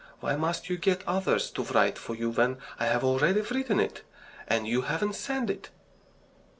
Why must you get others to write for you when I have already written it, and you haven't sent it?"